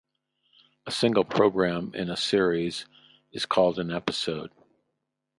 A single program in a series is called an episode.